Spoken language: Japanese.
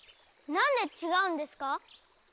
何で違うんですか？